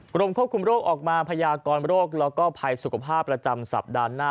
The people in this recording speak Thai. กรมควบคุมโรคออกมาพยากรโรคแล้วก็ภัยสุขภาพประจำสัปดาห์หน้า